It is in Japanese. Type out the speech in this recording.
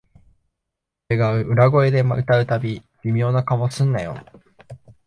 俺が裏声で歌うたび、微妙な顔すんなよ